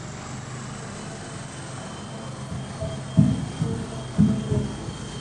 বেহারা জানাইল–বাবু তাঁহার কতক-কতক কাপড়-চোপড় লইয়া চলিয়া গেছেন।